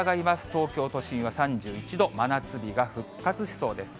東京都心は３１度、真夏日が復活しそうです。